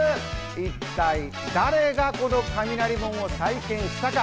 一体誰がこの雷門を再建したか？